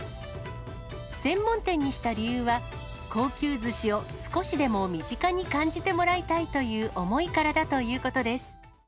専門店にした理由は、高級ずしを少しでも身近に感じてもらいたいという思いからだということです。